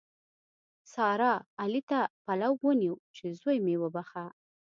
سارا؛ علي ته پلو ونیو چې زوی مې وبښه.